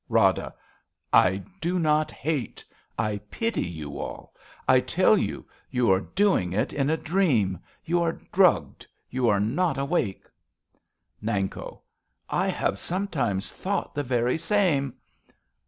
Rada. I do not hate ! I pity you all. I tell you, you are doing it in a dream. You are drugged. You are not awake. Nanko. I have sometimes thought The very same.